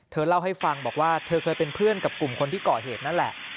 เล่าให้ฟังบอกว่าเธอเคยเป็นเพื่อนกับกลุ่มคนที่ก่อเหตุนั่นแหละ